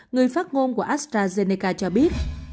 người phát ngôn của astrazeneca cho biết